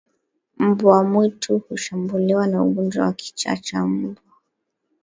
Mbwa mwitu hushambuliwa na ugonjwa wa kichaa cha mbwa